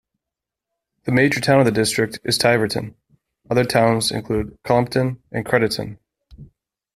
The major town of the district is Tiverton; other towns include Cullompton and Crediton.